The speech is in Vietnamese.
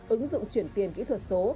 ứng dụng chuyển tiền kỹ thuật số